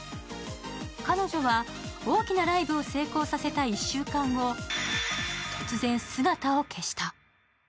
彼女は大きなライブを成功させた１週間後、突然姿を消した。